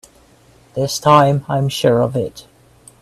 This time I'm sure of it!